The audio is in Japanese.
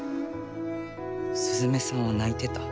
スズメさんは泣いてた。